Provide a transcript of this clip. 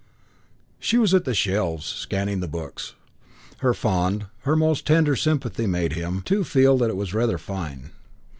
She was at the shelves, scanning the books. Her fond, her almost tender sympathy made him, too, feel that it was rather fine.